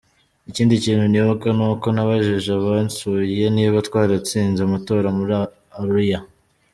Ikindi kintu nibuka ni uko nabajije abansuye niba twaratsinze amatora muri Arua.